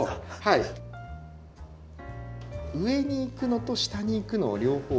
上に行くのと下に行くのを両方。